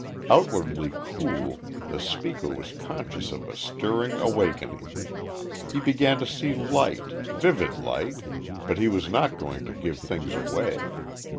Outwardly cool, the speaker was conscious of a stirring awakening. He began to see light vivid light, but he was not going to give things away.